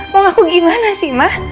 mau ngaku gimana sih ma